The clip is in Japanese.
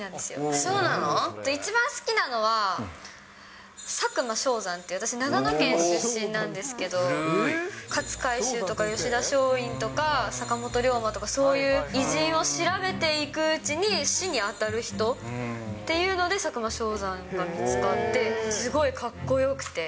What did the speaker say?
一番好きなのは、佐久間象山っていう、私、長野県出身なんですけど、勝海舟とか吉田松陰とか坂本龍馬とかそういう偉人を調べていくうちに、師に当たる人っていうので、佐久間象山が見つかって、すごいかっこよくて。